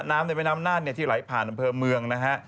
น้ำในเวน้ำนานเนี่ยที่ไหลผ่านอำเภอเมืองนะฮะ